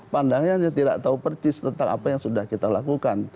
pandangannya tidak tahu persis tentang apa yang sudah kita lakukan